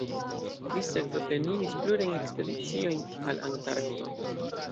Li sekve plenumis plurajn ekspediciojn al Antarkto.